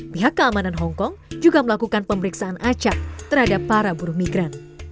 pihak keamanan hongkong juga melakukan pemeriksaan acak terhadap para buruh migran